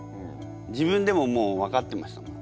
自分でももう分かってましたもん。